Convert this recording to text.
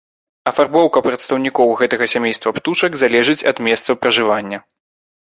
Афарбоўка прадстаўнікоў гэтага сямейства птушак залежыць ад месцаў пражывання.